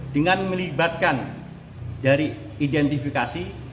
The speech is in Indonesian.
dengan melibatkan dari identifikasi